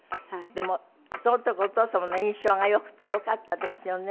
でもその時お父様の印象がよくてよかったですよね。